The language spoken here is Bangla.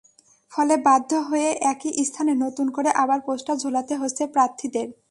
ফলে বাধ্য হয়ে একই স্থানে নতুন করে আবার পোস্টার ঝোলাতে হচ্ছে প্রার্থীদের।